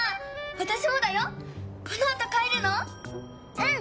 うん！